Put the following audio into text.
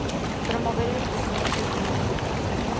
Promover el crecimiento económico.